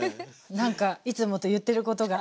なんかいつもと言ってることが。